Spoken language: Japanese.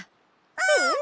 うん！